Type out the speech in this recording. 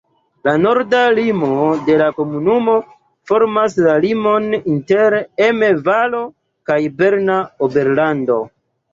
La norda limo de la komunumo formas la limon inter Emme-Valo kaj Berna Oberlando.